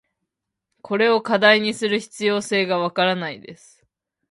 これを課題にする必要性が分からないです。